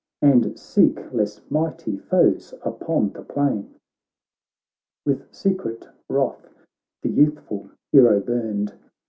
And seek less mighty foes upon the plain.' With secret wrath the youthful hero burned.